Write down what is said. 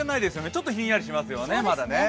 ちょっとひんやりしますよね、まだね。